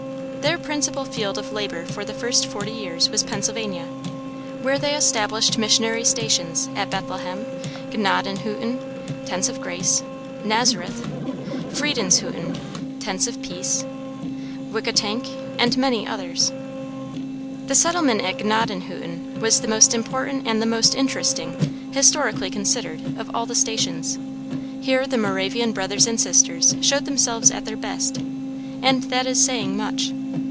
Their principal field of labor for the first forty years was Pennsylvania, where they established missionary stations at Bethlehem, Gnadenhutten, (tents of grace,) Nazareth, Friedenshutten, (tents of peace,) Wechquetank, and many other places. The settlement at Gnadenhutten was the most important and the most interesting, historically considered, of all the stations. Here the Moravian brothers and sisters showed themselves at their best, and that is saying much.